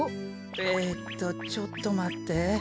えっとちょっとまって。